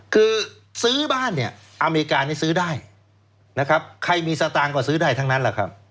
คือซื้อบ้านเนี่ยอเมริกานี่ซื้อได้นะครับใครมีสตางค์ก็ซื้อได้ทั้งนั้นแหละครับ